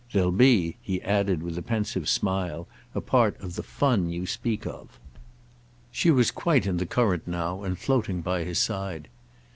They'll be," he added with a pensive smile "a part of the 'fun' you speak of." She was quite in the current now and floating by his side.